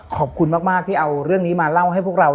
ขอบคุณมากที่เอาเรื่องนี้มาเล่าให้พวกเรา